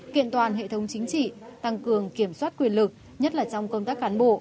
kiện toàn hệ thống chính trị tăng cường kiểm soát quyền lực nhất là trong công tác cán bộ